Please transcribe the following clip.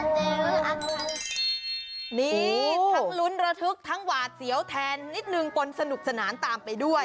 นี่ทั้งลุ้นระทึกทั้งหวาดเสียวแทนนิดนึงปนสนุกสนานตามไปด้วย